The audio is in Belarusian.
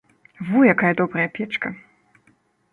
Во якая добра печка!